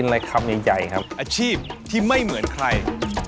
อาชีพที่ไม่เหมือนใคร